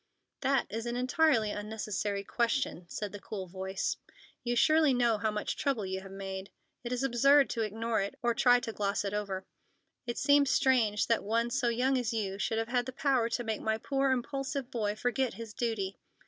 "That is an entirely unnecessary question," said the cool voice. "You surely know how much trouble you have made. It is absurd to ignore it, or try to gloss it over. It seems strange that one so young as you should have had the power to make my poor, impulsive boy forget his duty.